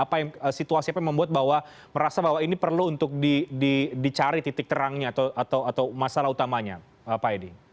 apa yang situasi apa yang membuat bahwa merasa bahwa ini perlu untuk dicari titik terangnya atau masalah utamanya pak edi